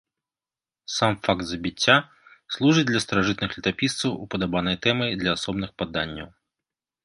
Сам факт забіцця служыць для старажытных летапісцаў упадабанай тэмай для асобных паданняў.